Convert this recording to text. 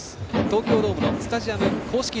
東京ドームのスタジアム公式ＤＪ。